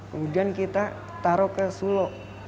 kemudian kita taruh ke sulo